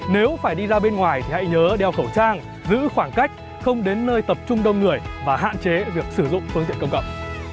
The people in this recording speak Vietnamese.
nếu phải đi ra bên ngoài thì hãy nhớ đeo khẩu trang giữ khoảng cách không đến nơi tập trung đông người và hạn chế việc sử dụng phương tiện công cộng